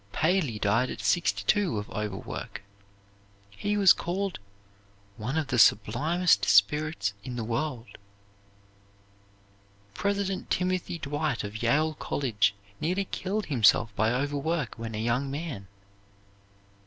Paley died at sixty two of overwork. He was called "one of the sublimest spirits in the world." President Timothy Dwight of Yale College nearly killed himself by overwork when a young man.